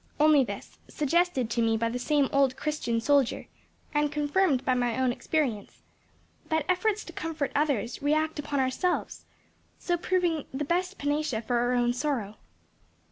"Only this, suggested to me by the same old Christian soldier and confirmed by my own experience; that efforts to comfort others react upon ourselves, so proving the best panacea for our own sorrow."